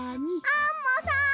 アンモさん！